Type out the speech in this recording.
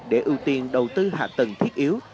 để ưu tiên đầu tư hạ tầng thiết yếu